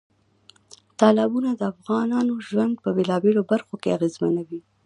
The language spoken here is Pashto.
تالابونه د افغانانو ژوند په بېلابېلو برخو کې اغېزمنوي.